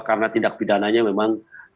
karena tindak pidananya memang